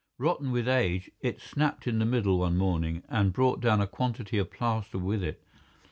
Rotten with age, it snapped in the middle one morning, and brought down a quantity of plaster with it.